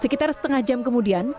sekitar setengah jam kemudian